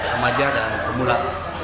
remaja dan pemula